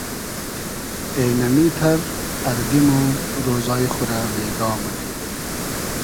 اېنئمیتئر اردی مۉ رۉزای خو رۂ بېگا مونی